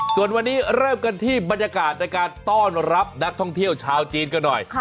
ส่วนวันนี้เริ่มกันที่บรรยากาศในการต้อนรับนักท่องเที่ยวชาวจีนกันหน่อย